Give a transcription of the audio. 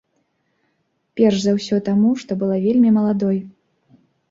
Перш за ўсё таму, што была вельмі маладой.